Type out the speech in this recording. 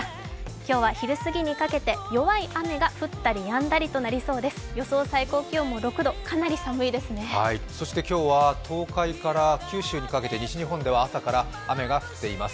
今日は昼すぎにかけて弱い雨が降ったりやんだりとなりそうです。